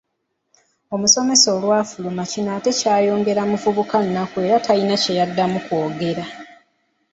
Omusomesa olwafuluma Kino ate kyayongera muvubuka nnaku era talina kyeyaddamu kwogera.